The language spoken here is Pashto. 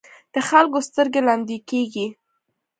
د خلکو سترګې لمدې کېږي.